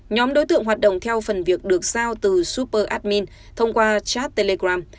nhóm đối tượng hoạt động theo phần việc được giao từ super admin thông qua chat telegram